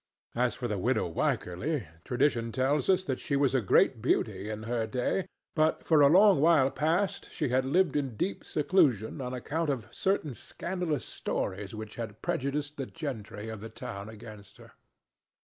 As for the widow Wycherly, tradition tells us that she was a great beauty in her day, but for a long while past she had lived in deep seclusion on account of certain scandalous stories which had prejudiced the gentry of the town against her.